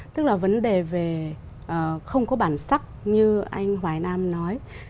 tức là vấn đề về không có bản sắc như anh hoài nam nói